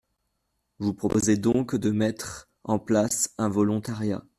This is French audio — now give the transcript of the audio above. Vous proposez donc de mettre en place un volontariat.